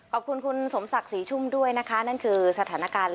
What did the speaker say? ขอบคุณคุณสมศักดิ์ศรีชุ่มด้วยนะคะนั่นคือสถานการณ์